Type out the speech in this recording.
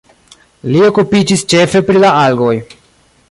Li okupiĝis ĉefe pri la algoj.